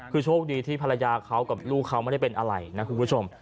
คือโชคดีที่ภรรยาเขากับลูกเขาไม่ได้เป็นอะไรนะคุณผู้ชม